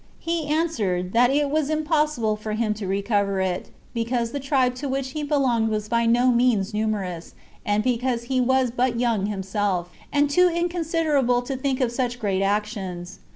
He answered, that it was impossible for him to recover it, because the tribe to which he belonged was by no means numerous; and because he was but young himself, and too inconsiderable to think of such great actions.